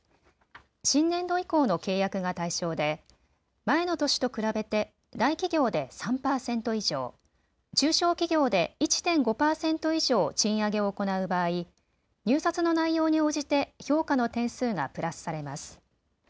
新年度以降の契約が対象で前の年と比べて大企業で３％以上、中小企業で１．５％以上賃上げを行う場合、入札の内容に応じて評価の点数がプラスされます。